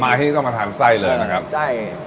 ที่นี่ต้องมาทานไส้เลยนะครับไส้